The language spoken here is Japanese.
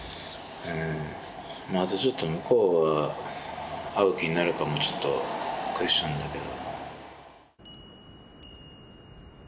まずちょっと向こうが会う気になるかもちょっとクエスチョンだけど。